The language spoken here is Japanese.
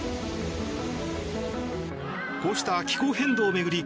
こうした気候変動を巡り